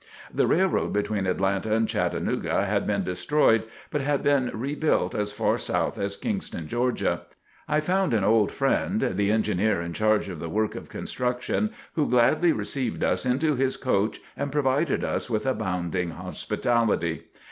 The railroad between Atlanta and Chattanooga had been destroyed but had been re built as far south as Kingston, Georgia. I found an old friend, the engineer in charge of the work of construction, who gladly received us into his coach and provided us with abounding hospitality.